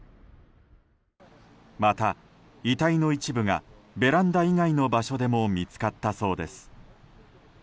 また、遺体の一部がベランダ以外の場所でも見つかったそうです。